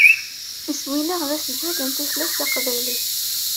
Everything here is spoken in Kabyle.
Iswi-nneɣ d aseǧhed n tutlayt taqbaylit.